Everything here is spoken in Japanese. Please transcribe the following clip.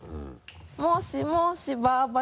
もしもしばば